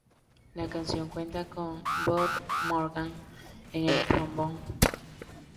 La canción cuenta con Bob Morgan en el trombón.